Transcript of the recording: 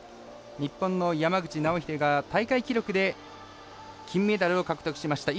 日本の山口尚秀が大会記録で金メダルを獲得しました。